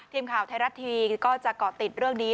ทีมข่าวไทยรัฐทีวีก็จะเกาะติดเรื่องนี้